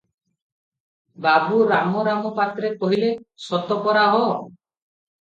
ବାବୁ ରାମରାମ ପାତ୍ରେ କହିଲେ, "ସତ ପରା ହୋ!